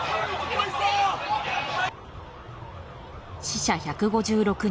死者１５６人。